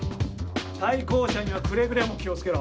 対向車にはくれぐれも気を付けろ。